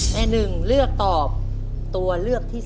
หนึ่งเลือกตอบตัวเลือกที่๓